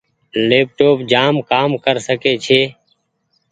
ليپ ٽوپ جآم ڪر ڪسي ڇي ۔